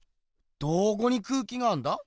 どこに空気があんだ？